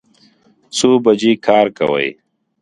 څو بجې کار کوئ؟